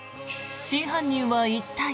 真犯人は一体？